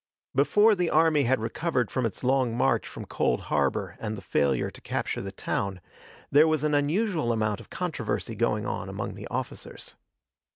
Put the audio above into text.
Before the army had recovered from its long march from Cold Harbor and the failure to capture the town, there was an unusual amount of controversy going on among the officers.